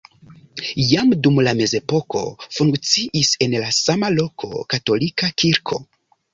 Jam dum la mezepoko funkciis en la sama loko katolika kirko.